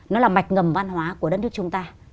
nó là mạch ngầm văn hóa của đất nước chúng ta